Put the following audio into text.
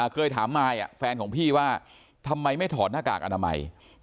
เคยถามมายแฟนของพี่ว่าทำไมไม่ถอดหน้ากากอนามัย